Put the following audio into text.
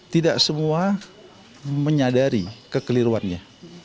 tidak semua menyadari kekeliruannya